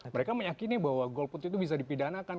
mereka meyakini bahwa golput itu bisa dipidanakan